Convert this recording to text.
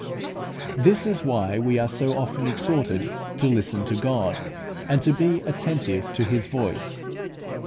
This is why we are so often exhorted to listen to God, and to be attentive to His voice.